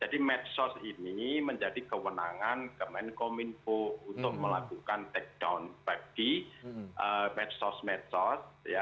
jadi medsos ini menjadi kewenangan kemenkominfo untuk melakukan takedown bagi medsos medsos